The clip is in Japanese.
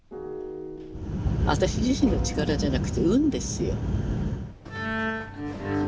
私自身の力じゃなくて運ですよ。